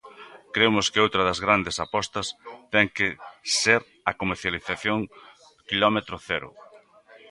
Cremos que outra das grandes apostas ten que ser a comercialización quilómetro cero.